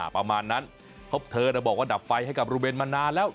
ประมาณนั้นเพราะเธอบอกว่าดับไฟให้กับรูเบนมานานแล้ว